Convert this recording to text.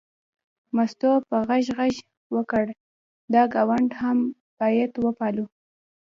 مستو په غږ غږ وکړ دا ګاونډ هم باید وپالو.